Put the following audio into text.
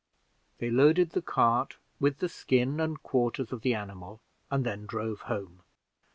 They loaded the cart with the skin and quarters of the animal, and then drove home.